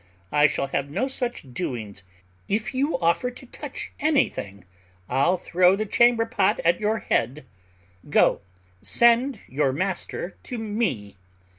I shall have no such doings. If you offer to touch anything, I'll throw the chamber pot at your head. Go, send your master to me."